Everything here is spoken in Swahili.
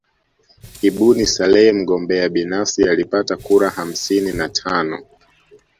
Ibuni Saleh mgombea binafsi alipata kura hamsini na tano